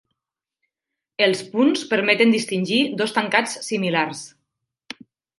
Els punts permeten distingir dos tancats similars.